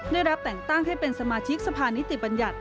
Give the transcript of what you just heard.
ได้รับแต่งตั้งให้เป็นสมาชิกสภานิติบัญญัติ